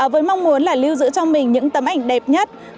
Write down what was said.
với mong muốn là lưu giữ cho mình những tấm ảnh đẹp nhất